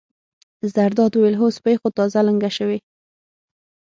زرداد وویل: هو سپۍ خو تازه لنګه شوې.